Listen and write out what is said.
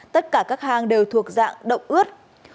tất cả các hang đều thuộc dạng động ướt